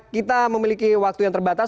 kita memiliki waktu yang terbatas